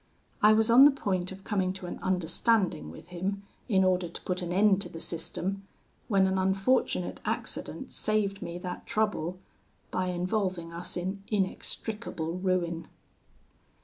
"I was on the point of coming to an understanding with him, in order to put an end to the system, when an unfortunate accident saved me that trouble, by involving us in inextricable ruin.